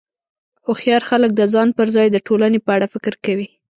هوښیار خلک د ځان پر ځای د ټولنې په اړه فکر کوي.